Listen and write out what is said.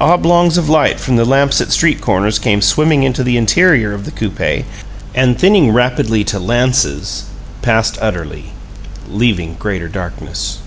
Oblongs of light from the lamps at street corners came swimming into the interior of the coupe and, thinning rapidly to lances, passed utterly, leaving greater darkness.